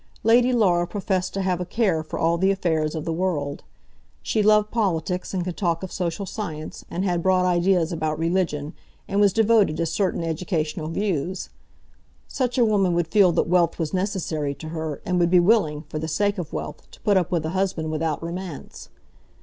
Lady Laura professed to have a care for all the affairs of the world. She loved politics, and could talk of social science, and had broad ideas about religion, and was devoted to certain educational views. Such a woman would feel that wealth was necessary to her, and would be willing, for the sake of wealth, to put up with a husband without romance.